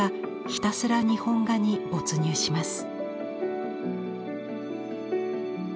ひたすら日本画に没入します。